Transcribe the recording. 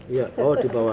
iya oh di bawah